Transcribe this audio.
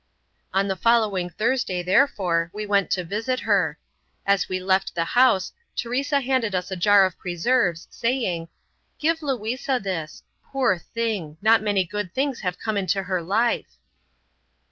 On the following Thursday, therefore, we went to visit her. As we left the house, Teresa handed us a jar of preserves, saying, "Give Louisa this. Poor thing! Not many good things have come into her life."